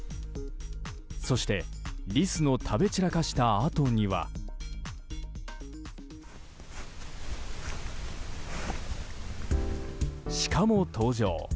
そしてリスの食べ散らかしたあとにはシカも登場。